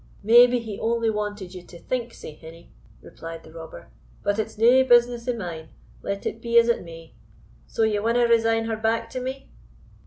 "Maybe he only wanted ye to think sae, hinny," replied the robber; "but it's nae business o' mine, let it be as it may. So ye winna resign her back to me?"